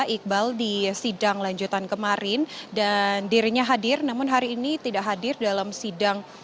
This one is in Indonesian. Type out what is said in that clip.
iqbal di sidang lanjutan kemarin dan dirinya hadir namun hari ini tidak hadir dalam sidang